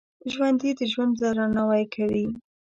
ژوندي د ژوند درناوی کوي